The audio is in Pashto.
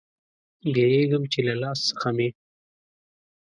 بیریږم چې له لاس څخه مې